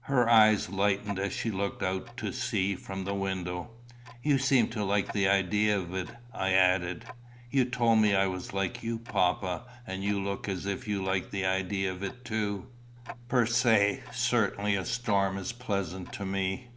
Her eye lightened, as she looked out to sea from the window. "You seem to like the idea of it," I added. "You told me I was like you, papa; and you look as if you liked the idea of it too." "Per se, certainly, a storm is pleasant to me.